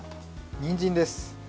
にんじんです。